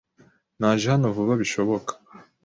Naje hano vuba bishoboka.